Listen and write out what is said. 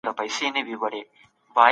په لارو کوڅو کې خنډونه مه جوړوئ.